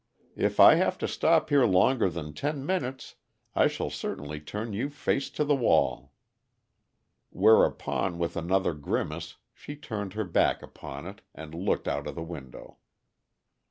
If I have to stop here longer than ten minutes, I shall certainly turn you face to the wall." Whereupon, with another grimace, she turned her back upon it and looked out of the window.